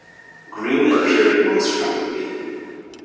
Green appearing most frequently.